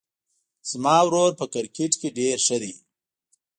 زما ورور په کرکټ کې ډېر ښه ده